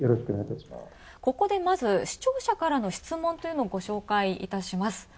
ここで、まず視聴者からの質問というのをご紹介いたします。